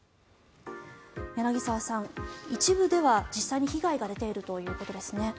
柳澤さん、一部では実際に被害が出ているということですね。